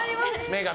女神。